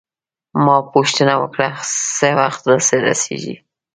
ما پوښتنه وکړه: څه وخت رارسیږي؟